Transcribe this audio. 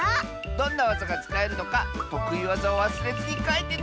どんなわざがつかえるのかとくいわざをわすれずにかいてね！